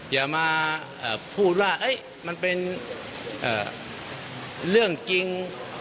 อย่ามาพูดว่ามันเป็นเรื่องจริง